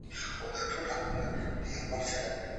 دا بدلون د تجربې وروسته رامنځته شوی.